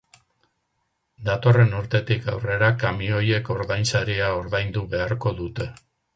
Datorren urtetik aurrera kamioiek ordainsaria ordaindu beharko dute.